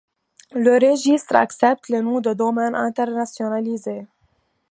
Le registre accepte les noms de domaines internationalisés.